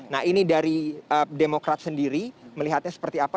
nah ini dari demokrat sendiri melihatnya seperti apa